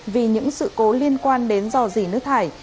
vì những sự cố liên quan đến rò rỉ nước thải